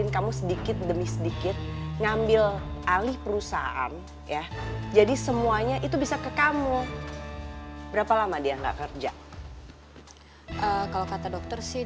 kalo kata dokter sih